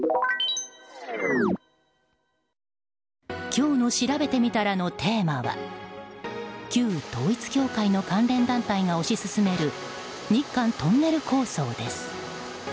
今日のしらべてみたらのテーマは旧統一教会の関連団体が推し進める日韓トンネル構想です。